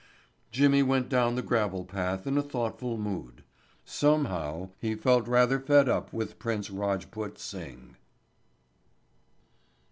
Jimmy went down the gravel path in a thoughtful mood. Somehow he felt rather fed up with Prince Rajput Singh.